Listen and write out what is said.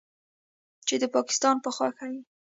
چې د پکستان په خوښه یې